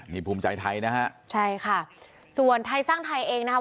นี่ภูมิใจไทยนะฮะใช่ค่ะส่วนไทยสร้างไทยเองนะครับ